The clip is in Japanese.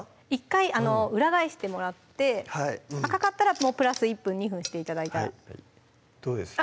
１回裏返してもらって赤かったらもうプラス１分・２分して頂いたらどうです？